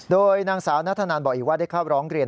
โดยนางสาวนัทธนันบอกอีกว่าได้เข้าร้องเรียน